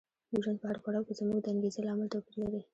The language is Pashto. د ژوند په هر پړاو کې زموږ د انګېزې لامل توپیر لري.